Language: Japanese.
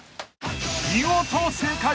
［見事正解］